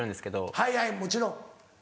はいはいもちろん。